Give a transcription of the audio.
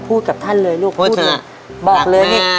พูดกับท่านเลยลูกพูดเลยบอกเลยนี่พูดค่ะ